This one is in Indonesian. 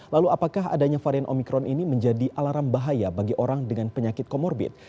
lalu apakah adanya varian omikron ini menjadi alarm bahaya bagi orang dengan penyakit comorbid